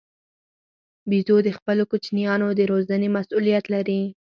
بیزو د خپلو کوچنیانو د روزنې مسوولیت لري.